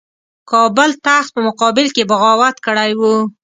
کابل تخت په مقابل کې بغاوت کړی وو.